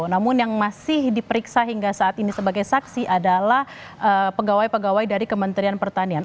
namun yang masih diperiksa hingga saat ini sebagai saksi adalah pegawai pegawai dari kementerian pertanian